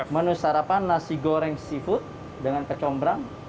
menu sarapan nasi goreng seafood dengan kecombrang